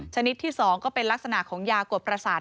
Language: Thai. ชนิดที่๒ก็เป็นลักษณะของยากดประสาท